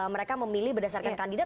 mereka memilih berdasarkan kandidat